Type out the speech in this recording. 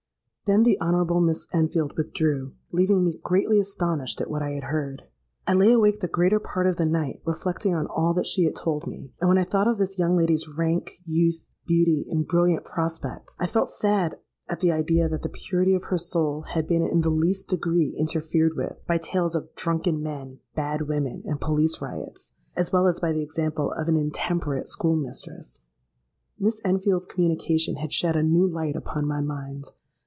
"Then the Honourable Miss Enfield withdrew, leaving me greatly astonished at what I had heard. I lay awake the greater part of the night, reflecting on all that she had told me; and when I thought of this young lady's rank, youth, beauty, and brilliant prospects, I felt sad at the idea that the purity of her soul had been in the least degree interfered with by tales of drunken men, bad women, and police riots, as well as by the example of an intemperate school mistress. Miss Enfield's communication had shed a new light upon my mind.